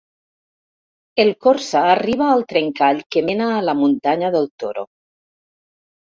El Corsa arriba al trencall que mena a la muntanya del Toro.